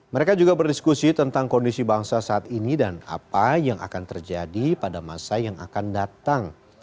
mereka juga berdiskusi tentang kondisi bangsa saat ini dan apa yang akan terjadi pada masa yang akan datang